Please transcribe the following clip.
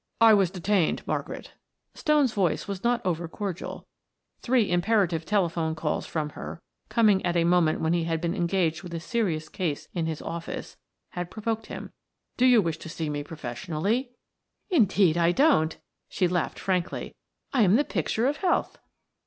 "I was detained, Margaret." Stone's voice was not over cordial; three imperative telephone calls from her, coming at a moment when he had been engaged with a serious case in his office, had provoked him. "Do you wish to see me professionally?" "Indeed, I don't." She laughed frankly. "I am the picture of health."